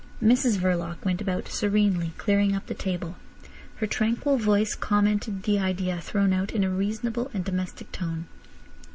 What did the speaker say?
Mrs Verloc went about serenely, clearing up the table. Her tranquil voice commented the idea thrown out in a reasonable and domestic tone.